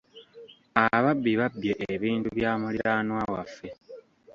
Ababbi babbye ebintu bya muliraanwa waffe.